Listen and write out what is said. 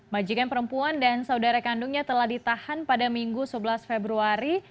majikan perempuan dan saudara kandungnya telah ditahan pada minggu sebelas februari